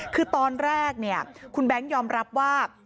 คือตอนแรกคุณแบงค์ยอมรับว่า